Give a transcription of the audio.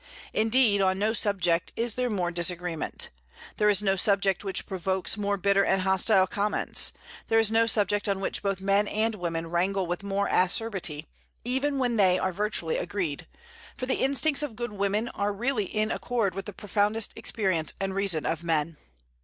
Indeed, on no subject is there more disagreement; there is no subject which provokes more bitter and hostile comments; there is no subject on which both men and women wrangle with more acerbity, even when they are virtually agreed, for the instincts of good women are really in accord with the profoundest experience and reason of men.